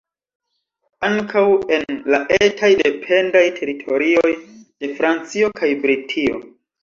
Ankaŭ en la etaj dependaj teritorioj de Francio kaj Britio.